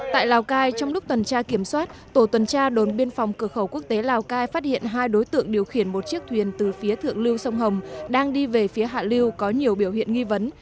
tại lào cai trong lúc tuần tra kiểm soát tổ tuần tra đồn biên phòng cửa khẩu quốc tế lào cai phát hiện hai đối tượng điều khiển một chiếc thuyền từ phía thượng lưu sông hồng đang đi về phía hạ lưu có nhiều biểu hiện nghi vấn